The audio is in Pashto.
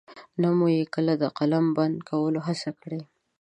نه مو يې کله د قلم بند کولو هڅه کړې.